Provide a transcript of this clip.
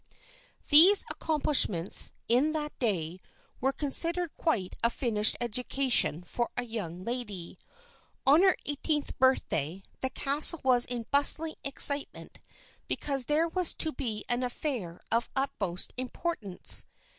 These accomplishments, in that day, were considered quite a finished education for a young lady. On her eighteenth birthday the castle was in bustling excitement because there was to be an affair of utmost importance.